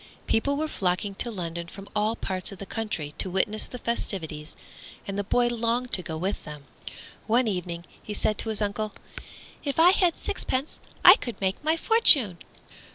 People were flocking to London from all parts of the country, to witness the festivities, and the boy longed to go with them. One evening he said to his uncle, "If I had sixpence I could make my fortune."